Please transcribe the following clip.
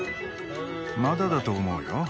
まだだと思うよ。